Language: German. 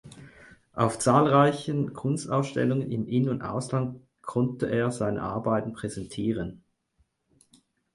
Auf zahlreichen Kunstausstellungen im In- und Ausland konnte er seine Arbeiten präsentieren.